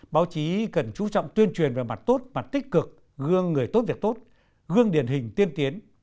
báo chí cần chú trọng tuyên truyền về mặt tốt mặt tích cực gương người tốt việc tốt gương điển hình tiên tiến